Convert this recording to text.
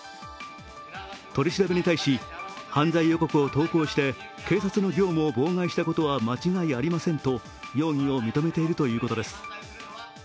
取り調べに対し、犯罪予告を投稿して警察の業務を妨害したことは間違いありませんと容疑を認めているということです。